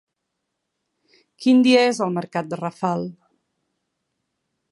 Quin dia és el mercat de Rafal?